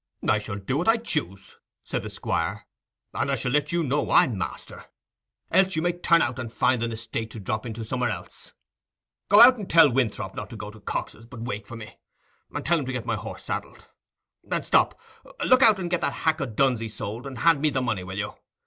"I shall do what I choose," said the Squire, "and I shall let you know I'm master; else you may turn out and find an estate to drop into somewhere else. Go out and tell Winthrop not to go to Cox's, but wait for me. And tell 'em to get my horse saddled. And stop: look out and get that hack o' Dunsey's sold, and hand me the money, will you?